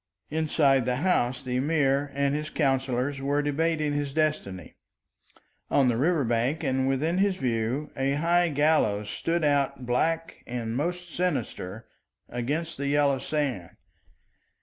Inside the house the Emir and his counsellors were debating his destiny; on the river bank and within his view a high gallows stood out black and most sinister against the yellow sand.